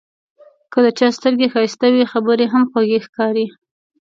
که د چا سترګې ښایسته وي، خبرې یې هم خوږې ښکاري.